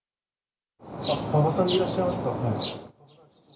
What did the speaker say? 馬場さんでいらっしゃいますはい。